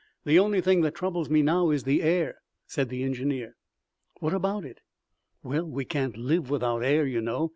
The only thing that troubles me now is the air," said the engineer. "What about it?" "Well, we can't live without air, you know.